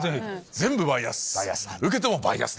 全部バイアス。